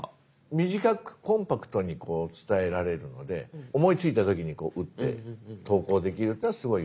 短くコンパクトに伝えられるので思いついた時にこう打って投稿できるっていうのはすごい。